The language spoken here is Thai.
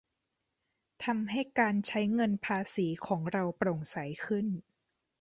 ทำให้การใช้เงินภาษีของเราโปร่งใสขึ้น